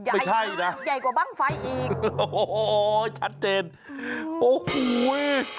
ไม่ใช่นะโอ้โหชัดเจนโอ้โหโอ้โหโอ้โหโอ้โหโอ้โห